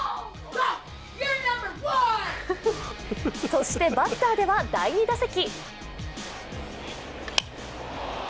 そして、バッターでは第２打席。